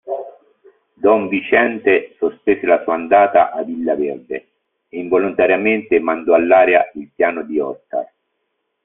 Don Viciente sospese la sua andata a Villa Verde e involontariamente mandò all'aria il piano di Oscar.